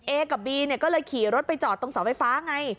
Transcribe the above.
กับบีเนี่ยก็เลยขี่รถไปจอดตรงเสาไฟฟ้าไง